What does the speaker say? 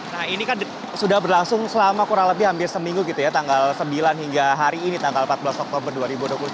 nah ini kan sudah berlangsung selama kurang lebih hampir seminggu gitu ya tanggal sembilan hingga hari ini tanggal empat belas oktober dua ribu dua puluh tiga